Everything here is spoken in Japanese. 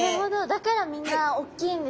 だからみんなおっきいんですね。